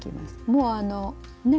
もうあのね